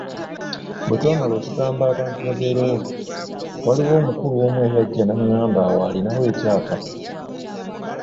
Bwe twamala okugamba abantu babeerewo, waliwo omukulu omu eyajja n’angamba awo alinawo ekyapa.